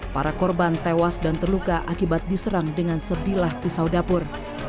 para korban tewas dan terluka akibat diserang dengan sebilah pisau dapur